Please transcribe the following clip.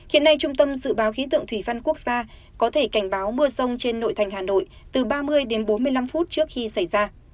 hiện nay trung tâm dự báo khí tượng thủy văn quốc gia có thể cảnh báo mưa rông trên nội thành hà nội từ ba mươi đến bốn mươi năm phút trước khi xảy ra